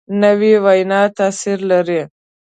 نوې وینا تاثیر لري